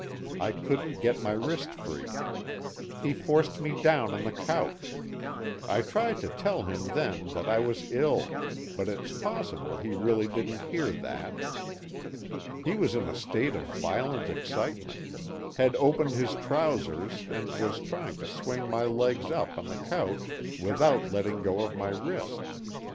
I couldn't get my wrist free. He forced me down on the couch. I tried to tell him then that I was ill, but it's possible he really didn't hear that. He was in a state of violent excitement had opened his trousers and was trying to swing my legs up on the couch without letting go my wrist.